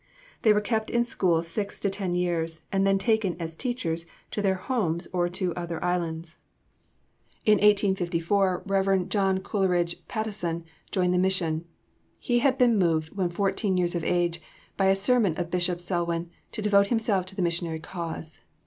They were kept in the school six to ten years, and then taken, as teachers, to their homes or to other islands. In 1854 Rev. John Coleridge Patteson joined the mission. He had been moved when fourteen years of age, by a sermon of Bishop Selwyn, to devote himself to the missionary cause.